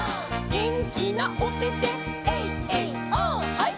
「げんきなおてて」「ハイ」「」